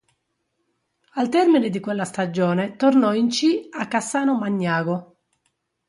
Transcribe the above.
Al termine di quella stagione tornò in C a Cassano Magnago.